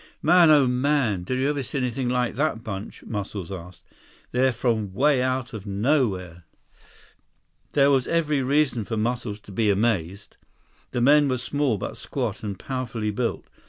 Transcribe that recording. "Man, oh, man! Did you ever see anything like that bunch?" Muscles asked. "They're from way out of nowhere." There was every reason for Muscles to be amazed. The men were small but squat and powerfully built.